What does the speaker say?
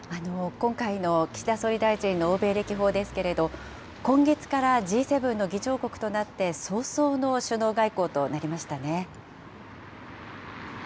今回の岸田総理大臣の欧米歴訪ですけれど、今月からＧ７の議長国となって早々の首脳外交となりましたね。